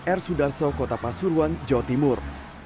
ersudarso kota pasuruan jawa timur